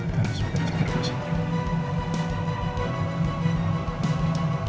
terus berjaga jaga saja